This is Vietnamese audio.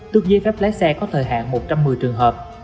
tước giấy phép lái xe có thời hạn một trăm một mươi trường hợp